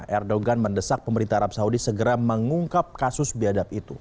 erdogan mendesak pemerintah arab saudi segera mengungkap kasus biadab itu